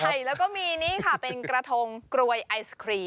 ใช่แล้วก็มีนี่ค่ะเป็นกระทงกรวยไอศครีม